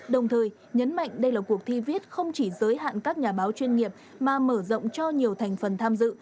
đồng thời nhấn mạnh đây là cuộc thi viết không chỉ giới hạn các nhà báo chuyên nghiệp mà mở rộng cho nhiều thành phần tham dự